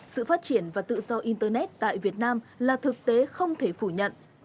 sự phát triển và tự do internet tại việt nam là thực tế không thể phủ nhận